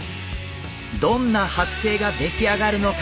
どんなはく製が出来上がるのか？